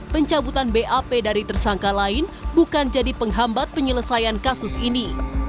pencabutan bap dari tersangka lain bukan jadi penghambat penyelesaian kasus ini